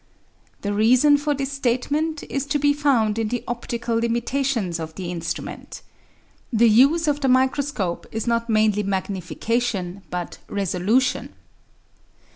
The reason for this statement is to be found in the optical limitations of the instrument. The use of the microscope is not mainly magnification but resolution.